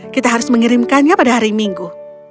kita harus mengirimkannya pada hari minggu